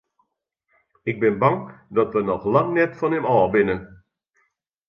Ik bin bang dat wy noch lang net fan him ôf binne.